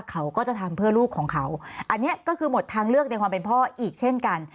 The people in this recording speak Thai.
เขาก็จะทำเพื่อลูกของเขาอันนี้ก็คือหมดทางเลือกในความเป็นพ่ออีกเช่นกัน